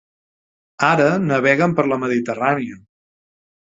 Ara naveguen per la Mediterrània.